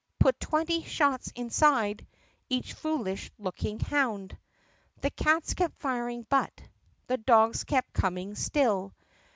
Put twenty shots inside Each foolish looking hound!" The cats kept firing but The dogs kept coming still.